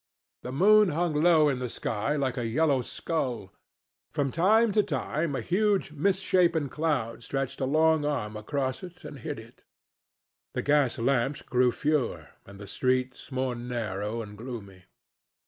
The moon hung low in the sky like a yellow skull. From time to time a huge misshapen cloud stretched a long arm across and hid it. The gas lamps grew fewer, and the streets more narrow and gloomy.